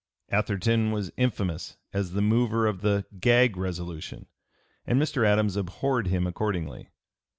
Atherton was infamous as the mover of the "gag" resolution, and Mr. Adams abhorred him accordingly.